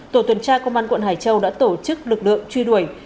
tổ tuần tra công an quận hải châu đã tổ chức lực lượng truy đuổi